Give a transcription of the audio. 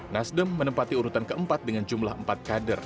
nasdem menempati urutan keempat dengan jumlah empat kader